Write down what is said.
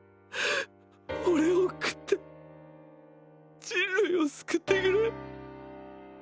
オレを食って人類を救ってくれ。